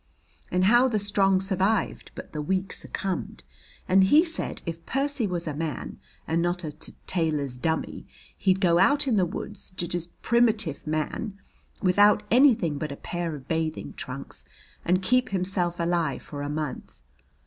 "And how the strong survived, but the weak succumbed, and he said if Percy was a man, and not a t tailor's dummy, he'd go out in the woods, j just primitive man, without anything but a pair of bathing trunks, and keep himself alive for a month.